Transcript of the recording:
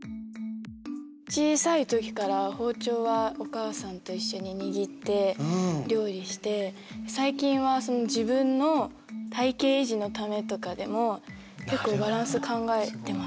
小さい時から包丁はお母さんと一緒に握って料理して最近は自分の体形維持のためとかでも結構バランス考えてます。